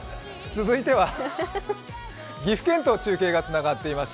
続いては岐阜県と中継がつながっています。